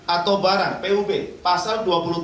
atau barang pub pasal